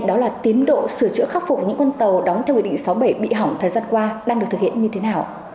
đó là tiến độ sửa chữa khắc phục những con tàu đóng theo nghị định sáu mươi bảy bị hỏng thời gian qua đang được thực hiện như thế nào